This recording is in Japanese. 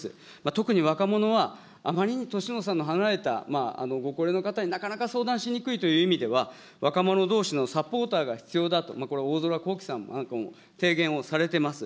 特に若者は、あまりに年の差の離れたご高齢の方になかなか相談しにくいという意味では、若者どうしのサポーターが必要だと、これはおおぞらこうきさんなんかも提言をされてます。